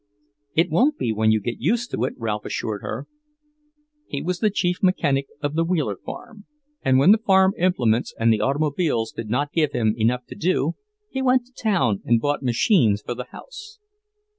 "It won't be when you get used to it," Ralph assured her. He was the chief mechanic of the Wheeler farm, and when the farm implements and the automobiles did not give him enough to do, he went to town and bought machines for the house.